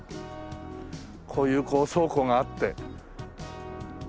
こういう倉庫があって。